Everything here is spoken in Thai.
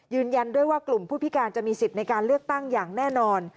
ยืนยันด้วยว่ากลุ่มผู้พิการจะมีสิทธิ์ในการเลือกตั้งอย่างแน่นอน